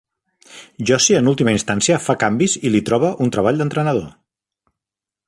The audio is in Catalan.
Josie en última instància fa canvis i li troba un treball d'entrenador.